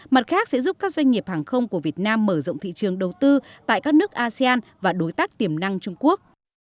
mặt khác sẽ giúp các doanh nghiệp hàng không của việt nam mở rộng thị trường đầu tư tại các nước asean và đối tác tiềm năng trung quốc